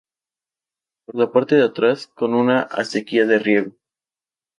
Por la parte de atrás linda con una acequia de riego.